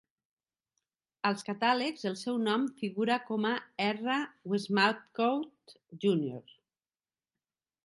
Als catàlegs el seu nom figura com a R. Westmacott, Junr.